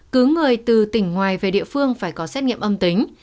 cứ người từ tỉnh ngoài về địa phương phải có xét nghiệm âm tính